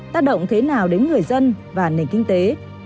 tác động thế nào đến người dân và nền kinh tế